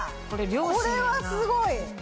これはすごい！